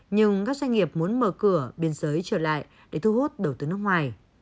nhưng các doanh nghiệp muốn mở cửa biên giới trở lại để thu hút đầu tư nước ngoài